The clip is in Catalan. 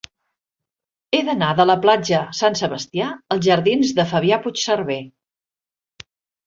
He d'anar de la platja Sant Sebastià als jardins de Fabià Puigserver.